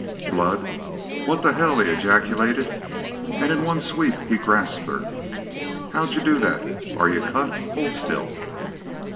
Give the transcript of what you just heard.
"Blood! What the hell!" he ejaculated, and in one sweep he grasped her. "How'd yu do that? Are y'u cut? ... Hold still."